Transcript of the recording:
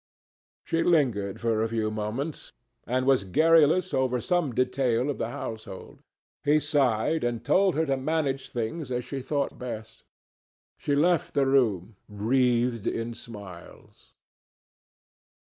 She lingered for a few moments, and was garrulous over some detail of the household. He sighed and told her to manage things as she thought best. She left the room, wreathed in smiles.